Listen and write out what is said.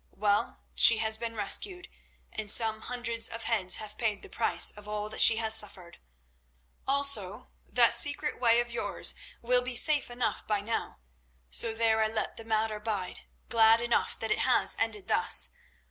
Well, she has been rescued, and some hundreds of heads have paid the price of all that she has suffered. Also, that secret way of yours will be safe enough by now. So there I let the matter bide, glad enough that it has ended thus.